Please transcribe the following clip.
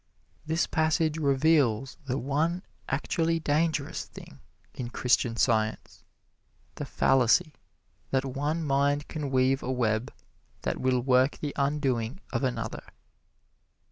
This passage reveals the one actually dangerous thing in Christian Science the fallacy that one mind can weave a web that will work the undoing of another.